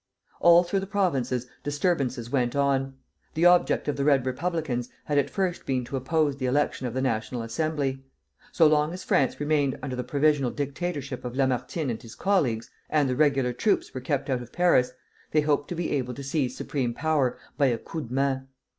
All through the provinces disturbances went on. The object of the Red Republicans had at first been to oppose the election of the National Assembly. So long as France remained under the provisional dictatorship of Lamartine and his colleagues, and the regular troops were kept out of Paris, they hoped to be able to seize supreme power, by a coup de main.